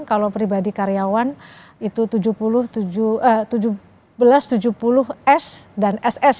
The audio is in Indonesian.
kalau pribadi karyawan itu tujuh belas tujuh puluh s dan ss